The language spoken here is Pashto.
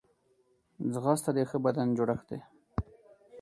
ځغاسته د ښه بدن جوړښت دی